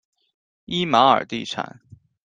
伊玛尔地产。